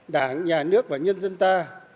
đảng nhà nước và nhân dân ta